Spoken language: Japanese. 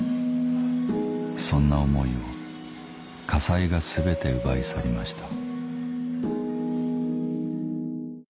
そんな思いを火災が全て奪い去りました